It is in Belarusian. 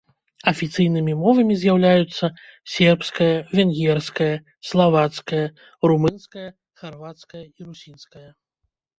Афіцыйнымі мовамі з'яўляюцца сербская, венгерская, славацкая, румынская, харвацкая і русінская.